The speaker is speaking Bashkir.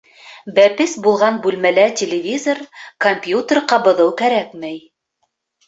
Бәпес булған бүлмәлә телевизор, компьютер ҡабыҙыу кәрәкмәй.